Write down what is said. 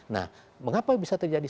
nah mengapa bisa terjadi